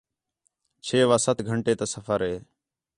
چھ وا سَت گھنٹے تا سفر ہے